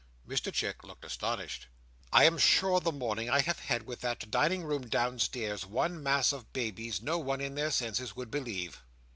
Mr Chick looked astonished. "I am sure the morning I have had, with that dining room downstairs, one mass of babies, no one in their senses would believe."